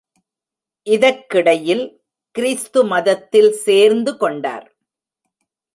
இதற்கிடையில் கிருஸ்து மதத்தில் சேர்ந்து கொண்டார்.